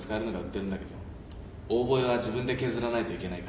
オーボエは自分で削らないといけないから。